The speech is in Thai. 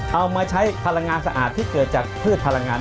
เอามาใช้พลังงานสะอาดที่เกิดจากพืชพลังงาน